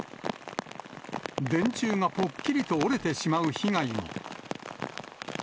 電柱がぽっきりと折れてしまう被害も。